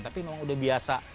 tapi memang udah biasa